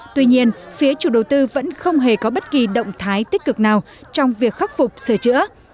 tuy nhiên phía chủ đầu tư vẫn không hề có bất kỳ động thái tích cực nào trong việc khắc phục sửa chữa